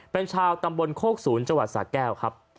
เป็นชาวตำบลโคกศูนย์จังหวัดสาแก้วครับ